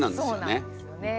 そうなんですよね。